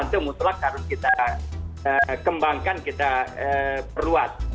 itu mutlak harus kita kembangkan kita perluas